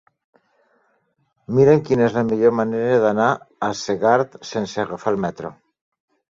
Mira'm quina és la millor manera d'anar a Segart sense agafar el metro.